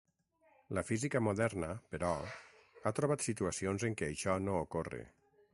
La física moderna, però, ha trobat situacions en què això no ocorre.